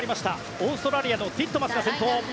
オーストラリアのティットマスが先頭。